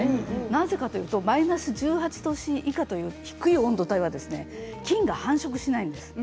なぜかというとマイナス１８度以下という低い温度では菌が繁殖しないんです。